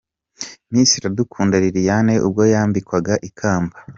Miss Iradukunda Liliane ubwo yambikwaga ikamba.